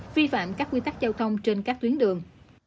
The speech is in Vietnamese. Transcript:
vi phạm các quy tắc giao thông trên các tuyến đường